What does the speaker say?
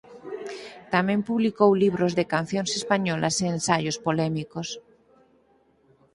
Tamén publicou libros de cancións españolas e ensaios polémicos.